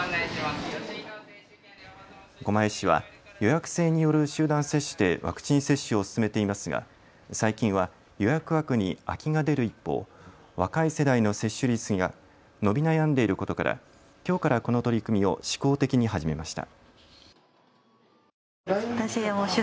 狛江市は予約制による集団接種でワクチン接種を進めていますが最近は予約枠に空きが出る一方、若い世代の接種率が伸び悩んでいることからきょうからこの取り組みを試行的に始めました。